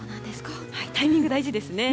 タイミングが大事ですね。